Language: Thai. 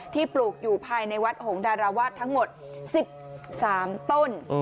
ปลูกอยู่ภายในวัดหงดาราวาสทั้งหมด๑๓ต้น